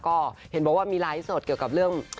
ก็เห็นบอกว่ามีไลฟ์สดเกี่ยวกับเรื่อง